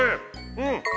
うん！